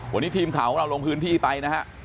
วันนี้ทีมข่าวของเราลงพื้นที่ไปนะฮะ